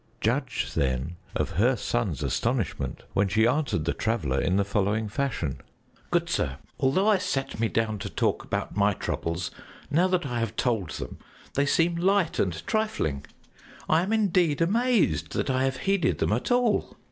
Judge then of her son's astonishment when she answered the Traveler in the following fashion: "Good sir, although I sat me down to talk about my troubles, now that I have told them, they seem light and trifling; I am indeed amazed that I have heeded them at all!